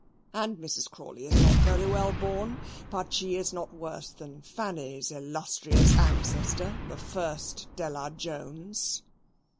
And Mrs. Crawley is not very well born, but she is not worse than Fanny's illustrious ancestor, the first de la Jones."